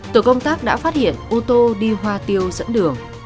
tổ công tác đã phát hiện ô tô đi hoa tiêu dẫn đường